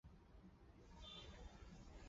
这项改革从试点进入了全面实行的新阶段。